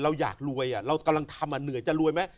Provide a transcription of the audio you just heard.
เราอยากรวยอะเกินแรงดูเหนื่อยจะรวยไม่